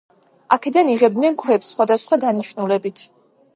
აქედან იღებდნენ ქვებს სხავდასხვა დანიშნულებით.